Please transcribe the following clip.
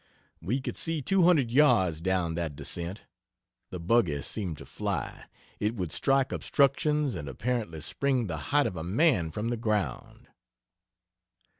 We could see two hundred yards down that descent. The buggy seemed to fly. It would strike obstructions and apparently spring the height of a man from the ground.